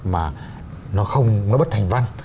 mà nó không nó bất thành văn